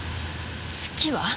月は？